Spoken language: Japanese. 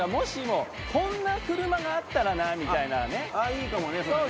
いいかもねそれね。